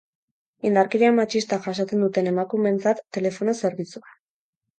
Indarkeria matxista jasaten duten emakumeentzat telefono zerbitzua.